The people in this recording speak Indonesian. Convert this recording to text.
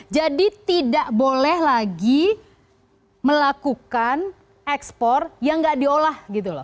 jadi tidak boleh lagi melakukan ekspor yang nggak diolah